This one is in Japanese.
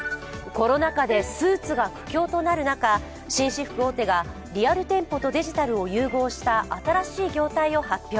コロナ禍でスーツが苦境となる中、紳士服大手がリアル店舗とデジタルを融合した新しい業態を発表。